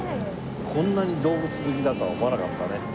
こんなに動物好きだとは思わなかったね。